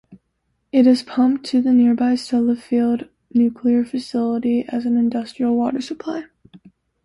It is pumped to the nearby Sellafield nuclear facility as an industrial water supply.